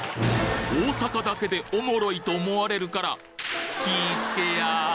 大阪だけでおもろいと思われるから気ぃつけや！